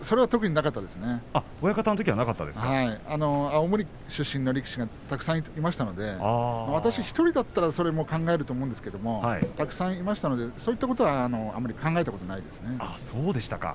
青森出身の力士がたくさんいましたので私１人だったら、それも考えるかもしれませんがたくさんいましたのでそういったことはあんまり考えませんでした。